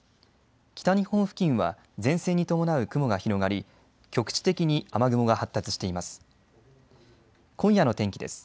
北日本付近は前線に伴う雲が広がり局地的に雨雲が発達しています。